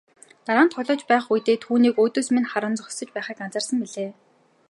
Дараа нь тоглож байх үедээ түүнийг өөдөөс минь харан зогсож байхыг анзаарсан билээ.